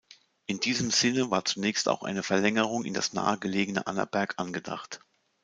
In diesem Sinne war zunächst auch eine Verlängerung in das nahe gelegene Annaberg angedacht.